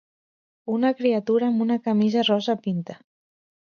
Una criatura amb una camisa rosa pinta.